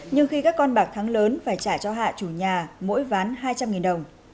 nhưng khi các con bạc thắng lớn phải trả cho hạ chủ nhà mỗi ván hai trăm linh đồng